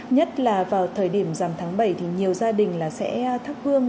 nhất là vào thời điểm dằm tháng bảy thì nhiều gia đình sẽ thắp hương